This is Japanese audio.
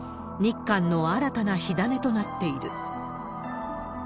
日韓の新たな火種となっている。